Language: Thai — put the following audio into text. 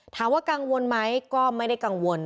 ถามว่ากังวลไหมก็ไม่ได้กังวล